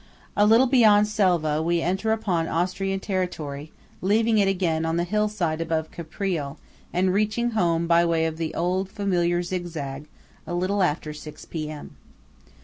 A little beyond Selva, we enter upon Austrian territory, leaving it again on the hill side above Caprile, and reaching home by way of the old familiar zig zag a little after six P.M.